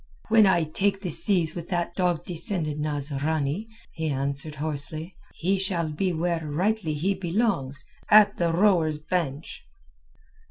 "When I take the seas with that dog descended Nasrani," he answered hoarsely, "he shall be where rightly he belongs—at the rowers' bench."